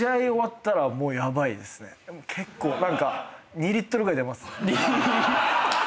結構何か２リットルぐらい出ますね。